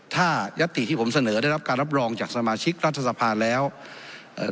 ถ้ายัตติที่ผมเสนอได้รับการรับรองจากสมาชิกรัฐสภาแล้วเอ่อ